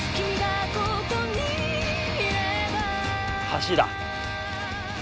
橋だ。